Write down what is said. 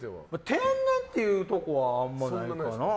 天然ってことはあんまりないかな。